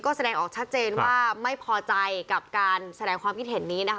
ก็แสดงออกชัดเจนว่าไม่พอใจกับการแสดงความคิดเห็นนี้นะคะ